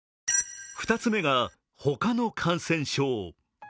２つ目が他の感染症。